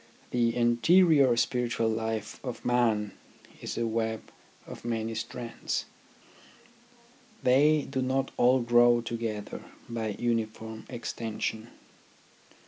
The interior spiritual life of man is a web of many strands. They do not all grow together by uniform exten sion.